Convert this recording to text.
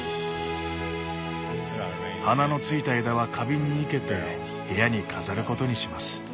花のついた枝は花瓶に生けて部屋に飾ることにします。